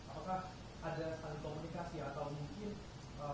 apakah ada saling komunikasi atau mungkin